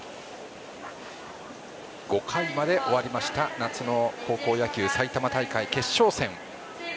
５回まで終わりました夏の高校野球埼玉大会決勝戦。